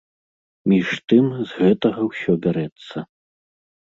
Між тым, з гэтага ўсё бярэцца.